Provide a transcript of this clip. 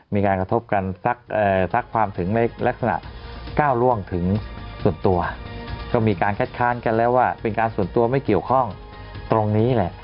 มีการกระทบกันสักความถึงในลักษณะก้าวร่วงถึงส่วนตัวก็มีการคัดค้านกันแล้วว่าเป็นการส่วนตัวไม่เกี่ยวข้องตรงนี้แหละ